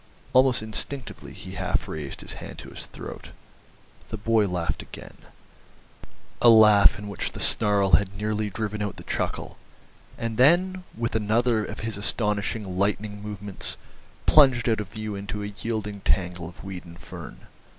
Almost instinctively he half raised his hand to his throat. They boy laughed again, a laugh in which the snarl had nearly driven out the chuckle, and then, with another of his astonishing lightning movements, plunged out of view into a yielding tangle of weed and fern.